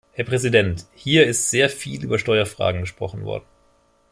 Herr Präsident, hier ist sehr viel über Steuerfragen gesprochen worden.